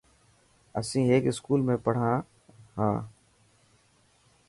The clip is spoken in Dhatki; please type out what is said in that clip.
اسين هڪ اسڪول ۾ پڙهان ها.